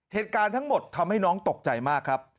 เหตุการณ์ทั้งหมดทำให้น้องตกใจมากครับ